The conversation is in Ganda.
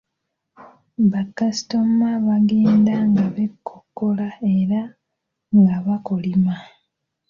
Bakasitoma bagenda nga b'ekokkola era nga bakolima.